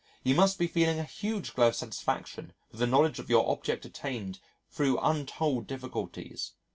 You must be feeling a huge glow of satisfaction with the knowledge of your object attained through untold difficulties.